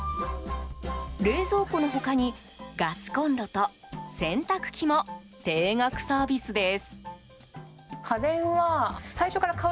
冷蔵庫の他にガスコンロと洗濯機も定額サービスです。